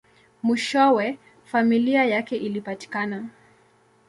Mwishowe, familia yake ilipatikana.